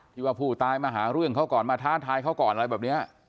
ที่ว่าผู้ตายมาหาเรื่องเขาก่อนมาท้าทายเขาก่อนอะไรแบบนี้